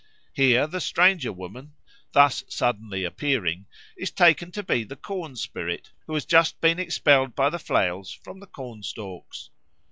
Here the stranger woman, thus suddenly appearing, is taken to be the corn spirit who has just been expelled by the flails from the corn stalks.